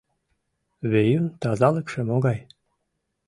Веюн тазалыкше могай?